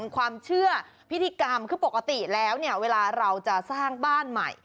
ความเชื่อพิธีกรรมคือปกติแล้วเนี่ยเวลาเราจะสร้างบ้านใหม่